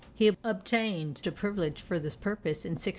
He obtained a privilege for this purpose in 1632.